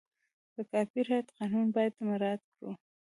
د کاپي رایټ قانون باید مراعت کړو.